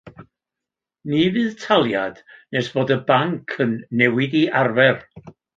Ni fydd taliad nes bod y banc yn newid ei arfer.